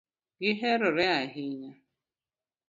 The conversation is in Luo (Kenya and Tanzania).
Gi herore ahinya